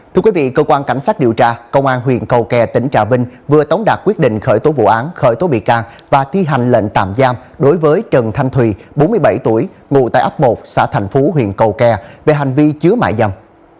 thưa quý vị cơ quan cảnh sát điều tra công an huyện cầu kè tỉnh trà vinh vừa tống đạt quyết định khởi tố vụ án khởi tố bị can và thi hành lệnh tạm giam đối với trần thanh thùy bốn mươi bảy tuổi ngụ tại ấp một xã thành phú huyện cầu kè về hành vi chứa mại dâm